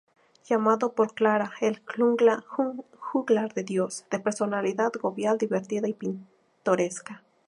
Llamado por Clara el "Juglar de Dios"; de personalidad jovial, divertida y pintoresca.